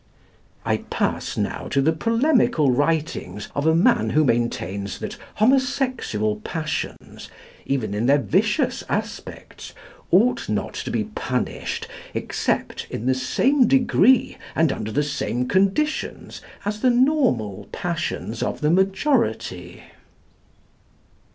I pass now to the polemical writings of a man who maintains that homosexual passions, even in their vicious aspects, ought not to be punished except in the same degree and under the same conditions as the normal passions of the majority.